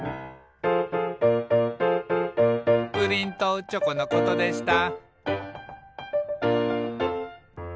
「プリンとチョコのことでした」